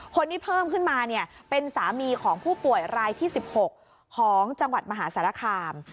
เพิ่มขึ้นมาเป็นสามีของผู้ป่วยรายที่๑๖ของจังหวัดมหาสารคาม